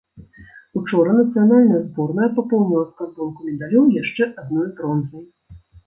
Учора нацыянальная зборная папоўніла скарбонку медалёў яшчэ адной бронзай.